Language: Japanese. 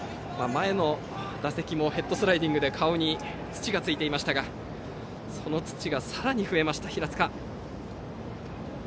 前の打席もヘッドスライディングで顔に土がついていましたがその土がさらに増えました、平塚。